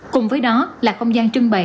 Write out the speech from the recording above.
cùng với đó là không gian trưng bày